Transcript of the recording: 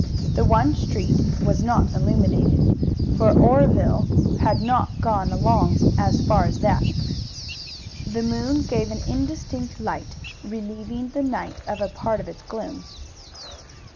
The one street was not illuminated, for Oreville had not got along as far as that. The moon gave an indistinct light, relieving the night of a part of its gloom.